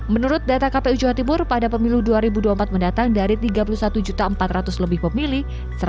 menurut data kpu jawa timur pada pemilu dua ribu dua puluh empat mendatang dari tiga puluh satu empat ratus lebih pemilih